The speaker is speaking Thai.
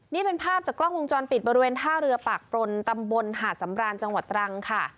นี่เป็นภาพจากกล้องวงจรปิดบริเวณท่าเรือปากปรนตำบลหาดสำราญจังหวัดตรังค่ะ